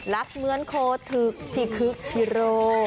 รักเหมือนโคลทึกที่คึกที่โรค